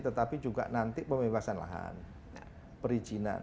tetapi juga nanti pembebasan lahan perizinan